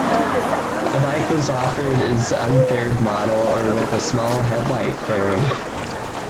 The bike was offered as unfaired model or with a small headlight fairing.